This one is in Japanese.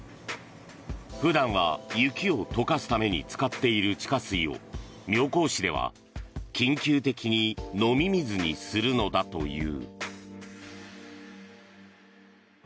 普段は雪を解かすために使っている地下水を妙高市では緊急的に飲み水にするのだという。